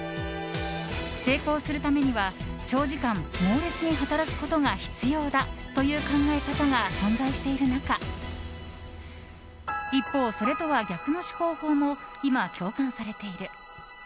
成功するためには長時間、猛烈に働くことが必要だという考え方が存在している中一方それとは逆の思考法も今、共感されている。